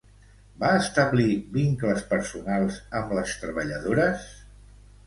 Va establir vincles personals amb les treballadores?